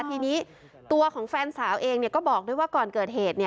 ทีนี้ตัวของแฟนสาวเองก็บอกด้วยว่าก่อนเกิดเหตุ